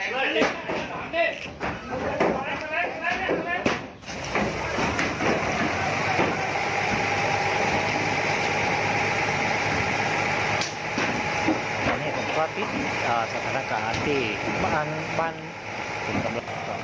พระอาทิตย์อ่าสถานการณ์ที่บ้านบ้านคุณตำลักษณ์ผม